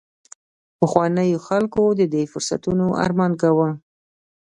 پخوانیو خلکو د دې فرصتونو ارمان کاوه